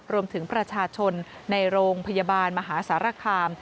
รวมถึงประชาชนในโรงพยาบาลมหาสารคาม